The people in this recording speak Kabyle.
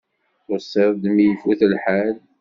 Tusiḍ-d mi ifut lḥal.